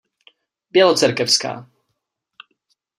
Bělocerkevská.